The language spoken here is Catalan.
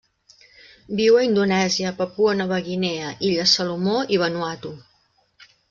Viu a Indonèsia, Papua Nova Guinea, Illes Salomó i Vanuatu.